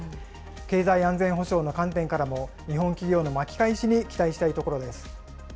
経済安全保障の観点からも、日本企業の巻き返しに期待したいところです。